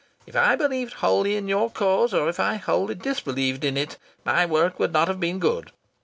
If I believed wholly in your cause, or if I wholly disbelieved in it, my work would not have been good.